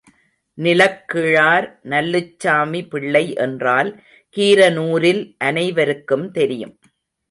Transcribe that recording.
நிலக்கிழார் நல்லுச்சாமி பிள்ளை என்றால் கீரனூரில் அனைவருக்கும் தெரியும்.